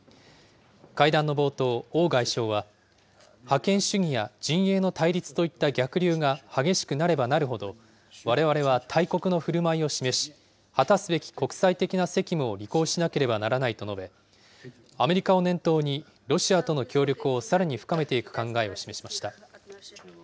会談の冒頭、王外相は、覇権主義や陣営の対立といった逆流が激しくなればなるほど、われわれは大国のふるまいを示し、果たすべき国際的な責務を履行しなければならないと述べ、アメリカを念頭に、ロシアとの協力をさらに深めていく考えを示しました。